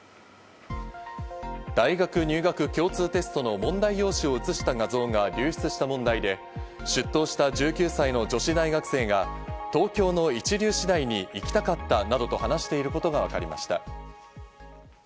大学入学共通テストの問題用紙を写した画像が流出した問題で、出頭した１９歳の女子大学生が東京の一流私大に行きたかったなどと話していることがわかりました。